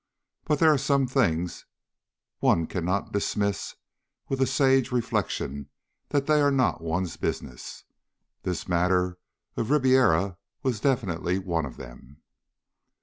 But there are some things one cannot dismiss with a sage reflection that they are not one's business. This matter of Ribiera was definitely one of them.